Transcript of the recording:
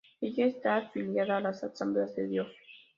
Ella está afiliada a las Asambleas de Dios.